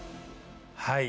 はい。